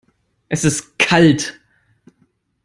Es ist kalt.